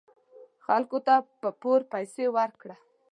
خلکو ته په پور پیسې ورکړه .